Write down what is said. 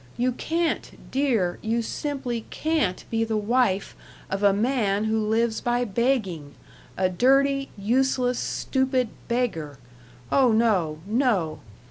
You can't, dear, you simply can't be the wife of a man who lives by begging a dirty, useless, stupid beggar. Oh, no, no!